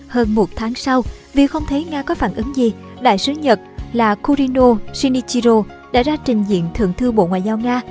hơn một tháng sau vì không thấy nga có phản ứng gì đại sứ nhật là kurino shinichiro đã ra trình diện thượng thư bộ ngoại giao nga